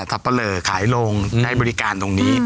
ไม่ใช่ว่าเป็นแค่ทัพเบลอขายลงได้บริการตรงนี้